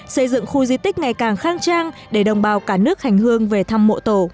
xây dựng khu di tích ngày càng khang trang để đồng bào cả nước hành hương về thăm mộ tổ